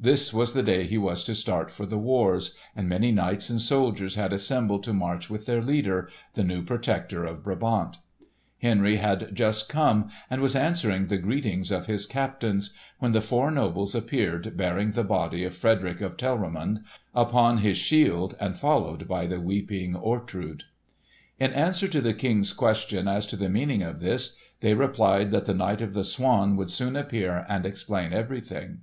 This was the day he was to start for the wars, and many knights and soldiers had assembled to march with their leader, the new Protector of Brabant. Henry had just come, and was answering the greetings of his captains, when the four nobles appeared bearing the body of Frederick of Telramund upon his shield, and followed by the weeping Ortrud. In answer to the King's question as to the meaning of this, they replied that the Knight of the Swan would soon appear and explain everything.